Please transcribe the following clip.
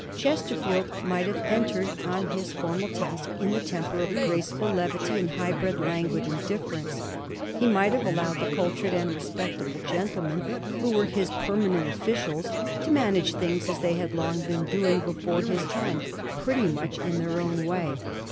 Chesterfield might have en tered on his formal task in the temper of graceful levity and high bred languid indifference. He might have al lowed the cultured and respectable gentlemen who were his permanent officials to manage things as they had long been doing before his time, pretty much in their own way.